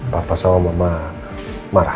papa sama mama marah